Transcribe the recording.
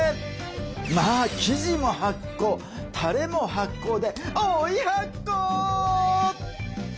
生地も発酵たれも発酵で追い発酵！